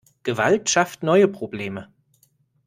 Gewalt schafft neue Probleme.